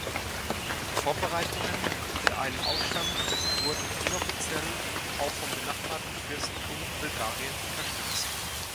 Die Vorbereitungen für einen Aufstand wurden inoffiziell auch vom benachbarten Fürstentum Bulgarien unterstützt.